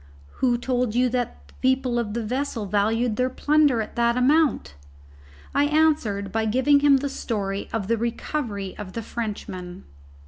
"Who told you that the people of the vessel valued their plunder at that amount?" I answered by giving him the story of the recovery of the Frenchman.